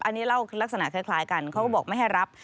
อันนี้เล่าลักษณะคล้ายกันเขาก็บอกไม่ให้รับ